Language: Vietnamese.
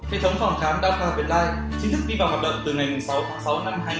hệ thống phòng khám delta vietlite chính thức đi vào hoạt động từ ngày sáu tháng sáu năm hai nghìn một mươi